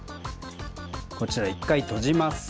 こちら１かいとじます。